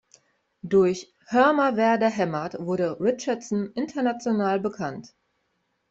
Durch "Hör mal, wer da hämmert" wurde Richardson international bekannt.